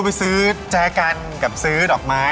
ไปซื้อแจกันกับซื้อดอกไม้